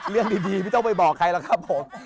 เรื่องดีไม่ต้องไปบอกใครหรอกครับผม